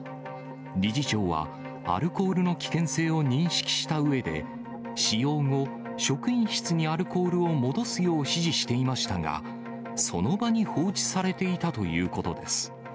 理事長はアルコールの危険性を認識したうえで、使用後、職員室にアルコールを戻すよう指示していましたが、その場に放置されていたということです。